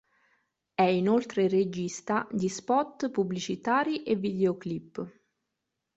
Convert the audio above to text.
È inoltre regista di spot pubblicitari e videoclip.